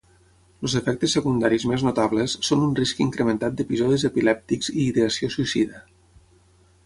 Els efectes secundaris més notables són un risc incrementat d'episodis epilèptics i ideació suïcida.